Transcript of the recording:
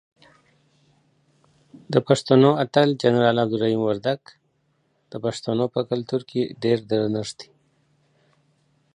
دپښتنو اتل جنرال عبدالرحیم وردک دپښتنو په کلتور کې ډیر درنښت دی.